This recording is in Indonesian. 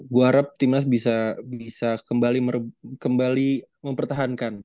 gue harap timnas bisa bisa kembali kembali mempertahankan